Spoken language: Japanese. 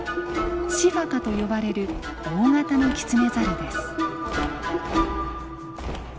シファカと呼ばれる大型のキツネザルです。